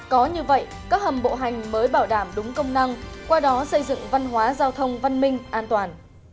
có như vậy các hầm bộ hành mới bảo đảm đúng công năng qua đó xây dựng văn hóa giao thông văn minh an toàn